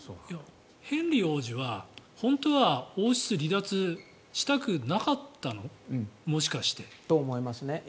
ヘンリー王子は、本当は王室離脱したくなかったの？と思いますね。